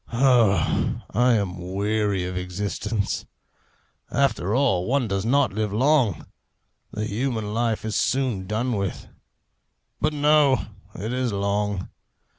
Oh, I am weary of existence! After all, one does not live long! The human life is soon done with. But no it is long.